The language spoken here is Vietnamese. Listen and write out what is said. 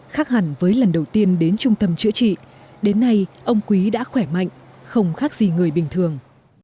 khác hẳn với lần đầu tiên đến trung tâm chữa trị đến nay ông quý đã khỏe mạnh không khác gì người bình thường